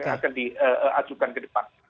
akan diajukan ke depan